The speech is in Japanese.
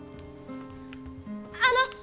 あの！